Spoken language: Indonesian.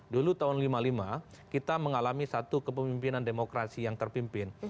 dulu tahun seribu sembilan ratus lima puluh lima kita mengalami satu kepemimpinan demokrasi yang terpimpin